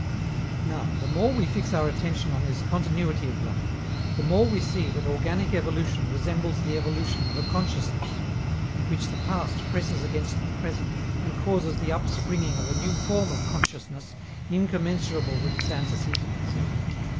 Now, the more we fix our attention on this continuity of life, the more we see that organic evolution resembles the evolution of a consciousness, in which the past presses against the present and causes the upspringing of a new form of consciousness, incommensurable with its antecedents.